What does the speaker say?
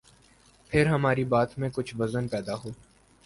پھر ہماری بات میں کچھ وزن پیدا ہو۔